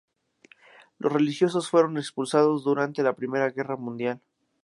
Los religiosos fueron expulsados durante la Primera Guerra Mundial.